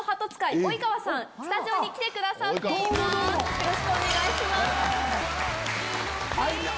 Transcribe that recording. よろしくお願いします。